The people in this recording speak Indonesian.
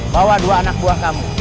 bawa dua anak buah kamu